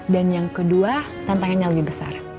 dan yang kedua tantangannya lebih besar